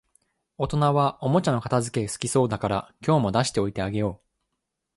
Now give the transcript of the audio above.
大人はおもちゃの片づけ好きそうだから、今日も出しておいてあげよう